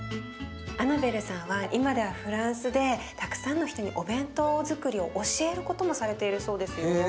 アナベルさんは今ではフランスでたくさんの人にお弁当づくりを教えることもされているそうですよ。